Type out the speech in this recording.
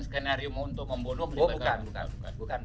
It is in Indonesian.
skenario untuk membunuh bukan bukan bukan bukan